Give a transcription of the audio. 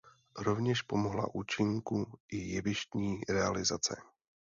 Rovněž pomohla účinku i jevištní realizace.